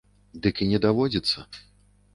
Дык і не даводзіцца.